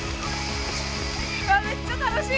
めっちゃ楽しい。